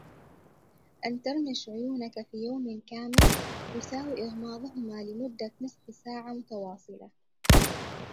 أن ترميش عيونك في يوم كامل، يساوي إغماضهما لمدة نصف ساعة متواصلة.